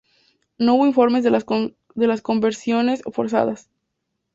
No hubo informes de las conversiones forzadas.